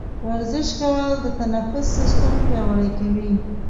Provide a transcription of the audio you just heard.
ورزش کول د تنفس سیستم پیاوړی کوي.